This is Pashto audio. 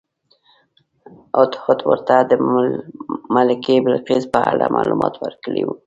هدهد ورته د ملکې بلقیس په اړه معلومات ورکړي وو.